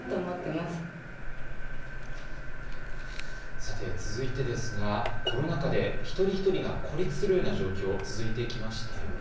さて続いてですが、コロナ禍で一人一人が孤立するような状況、続いてきましたよね。